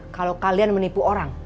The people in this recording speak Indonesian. kalau kalian menipu orang